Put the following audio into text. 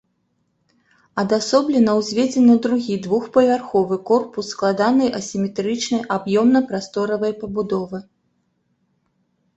Адасоблена ўзведзены другі двухпавярховы корпус складанай асіметрычнай аб'ёмна-прасторавай пабудовы.